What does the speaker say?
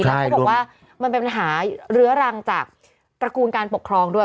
แล้วเขาบอกว่ามันเป็นปัญหาเรื้อรังจากตระกูลการปกครองด้วย